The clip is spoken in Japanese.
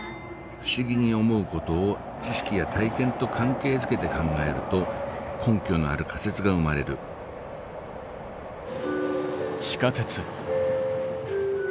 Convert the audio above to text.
不思議に思うことを知識や体験と関係づけて考えると根拠のある仮説が生まれる地下鉄。